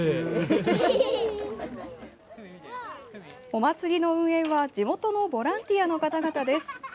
お祭りの運営は地元のボランティアの方々です。